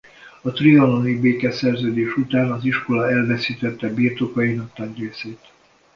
A trianoni békeszerződés után az iskola elveszítette birtokainak nagy részét.